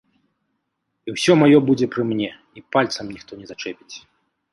І ўсё маё будзе пры мне, і пальцам ніхто не зачэпіць.